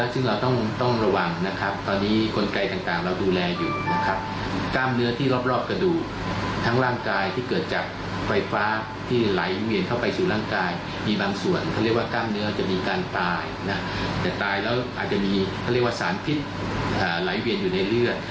สารพิษไหลเวียนอยู่ในเลือด